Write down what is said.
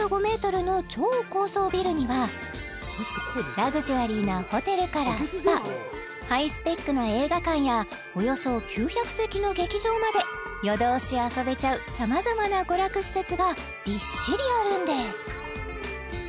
ラグジュアリーなホテルからスパハイスペックな映画館やおよそ９００席の劇場まで夜通し遊べちゃうさまざまな娯楽施設がびっしりあるんです